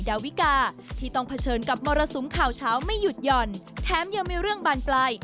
ดาวิกาที่ต้องเผชิญกับมรสุมข่าวเช้าไม่หยุดหย่อนแถมยังมีเรื่องบานปลาย